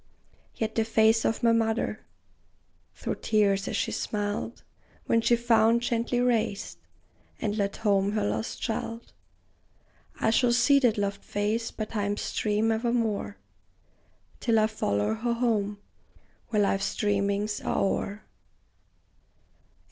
Yet the face of my mother, through tears as she smiled, When she found, gently raised, and led home her lost child I shall see that loved face by time's stream evermore, Till I follow her home, where life's dreamings are o'er.